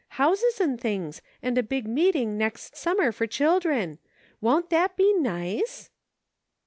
Houses and things, and a big meeting next sum mer for children. Won't that be nice